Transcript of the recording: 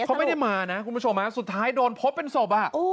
เขาไม่ได้มานะคุณผู้ชมสุดท้ายโดนพบเป็นศพ